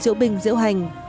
diễu bình diễu hành